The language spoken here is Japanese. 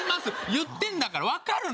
言ってんだからわかるの！